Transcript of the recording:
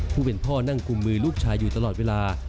ผู้เป็นพ่อนั่งกุมมือลูกชายอยู่ตลอดเวลา